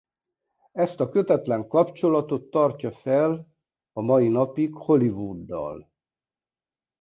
Ezt a kötetlen kapcsolatot tartja fel a mai napig Hollywooddal.